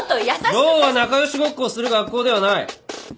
ローは仲良しごっこをする学校ではない！